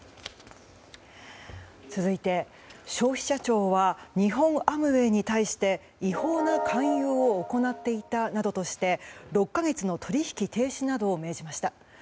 続いて、消費者庁は日本アムウェイに対して違法な勧誘を行っていたなどとして６か月の取引停止などを命じました。